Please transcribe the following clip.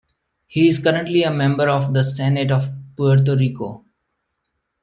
He is currently a member of the Senate of Puerto Rico.